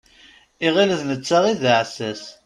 Iɣil d netta i d aɛessas.